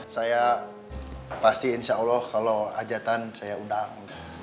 saya pasti insya allah kalau hajatan saya undang